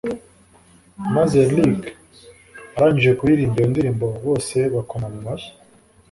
maze luc arangije kuririmba iyo ndirimbo bose bakoma mu mashyi